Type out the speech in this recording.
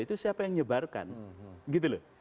itu siapa yang nyebarkan gitu loh